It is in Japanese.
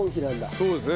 そうですね。